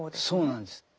そうなんです。